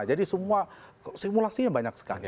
jadi semua simulasinya banyak sekali